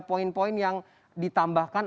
poin poin yang ditambahkan